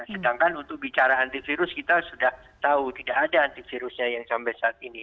sedangkan untuk bicara antivirus kita sudah tahu tidak ada antivirusnya yang sampai saat ini